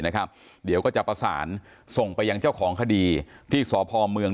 เดี๋ยวก็จะประสานส่งไปยังเจ้าของคดีที่สพเมือง